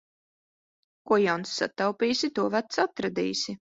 Ko jauns sataupīsi, to vecs atradīsi.